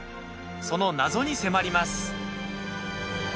その謎に迫ります。